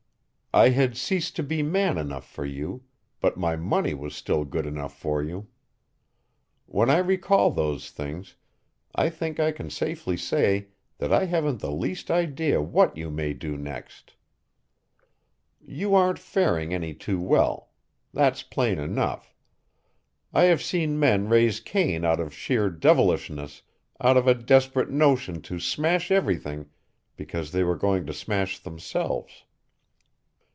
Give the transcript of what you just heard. I had ceased to be man enough for you, but my money was still good enough for you. When I recall those things, I think I can safely say that I haven't the least idea what you may do next. You aren't faring any too well. That's plain enough. I have seen men raise Cain out of sheer devilishness, out of a desperate notion to smash everything because they were going to smash themselves.